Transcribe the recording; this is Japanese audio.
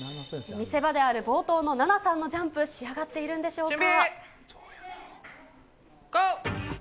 見せ場である冒頭のナナさんのジャンプ、仕上がっているんでしょうか。